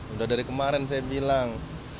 udah dari kemarin saya bilang